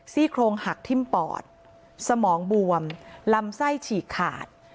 โครงหักทิ้มปอดสมองบวมลำไส้ฉีกขาด